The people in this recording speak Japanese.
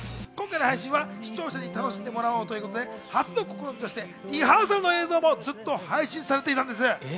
今回の配信は視聴者に楽しんでもらおうということで初の試みとしてリハーサルの映像もずっと配信されていたんです。